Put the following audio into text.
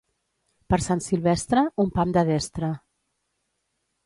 Per Sant Silvestre, un pam de destra.